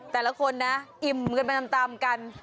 แต่ละคนนะอิ่มกันไปตามกัน